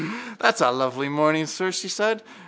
—That's a lovely morning, sir, she said.